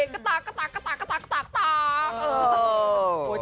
ตลาดตลาดตลาดตลาดตลาดตลาด